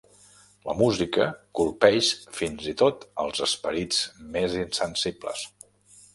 La música colpeix fins i tot els esperits més insensibles.